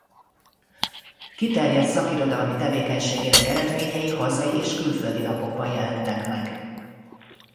Kiterjedt szakirodalmi tevékenységének eredményei hazai és külföldi lapokban jelentek meg.